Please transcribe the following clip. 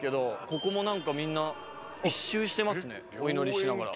ここも何かみんな１周してますねお祈りしながら。